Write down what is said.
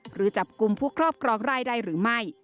หรือจับกลุ่มผู้ครอบครองรายได้หรือไม่